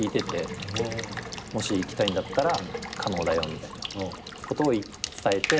もし行きたいんだったら可能だよみたいなことを伝えて。